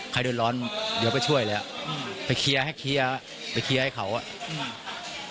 ใครเดินร้อนเดี๋ยวไปช่วยเลยอ่ะอืมไปเคลียร์ให้เคลียร์ไปเคลียร์ให้เขาอ่ะอืม